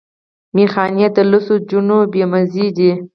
ميخانې د لوڅو جونو بې مزې دي